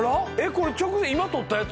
これ直前今撮ったやつ？